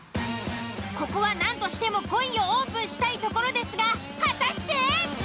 ここはなんとしても５位をオープンしたいところですが果たして！？